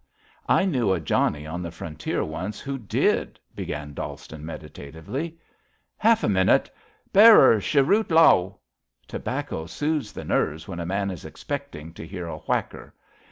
I knew a Johnnie on the Frontier once who did/' began Dallston meditatively. Half a minute. Bearer, cherut laol Tobacco soothes the nerves when a man is expecting to 114 ABAFT THE FUNNEL hear a whacker.